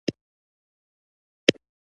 د ژبې پالنه د ملت عزت دی.